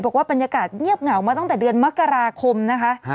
บอกว่าบรรยากาศเงียบเหงามาตั้งแต่เดือนมกราคมนะคะ